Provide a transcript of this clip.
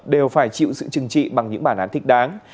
đều phải chịu sự chừng trị bằng những bản án thích đáng